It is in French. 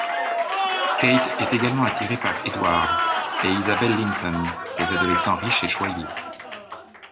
Cate est également attirée par Edward et Isabel Linton, des adolescents riches et choyés.